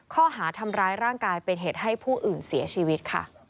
ข้อหาทำร้ายร่างกายเป็นเหตุให้ผู้อื่นเสียชีวิตค่ะ